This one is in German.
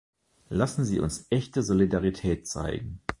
Lassen Sie uns echte Solidarität zeigen.